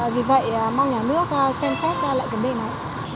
vì vậy mong nhà nước xem xét lại vấn đề này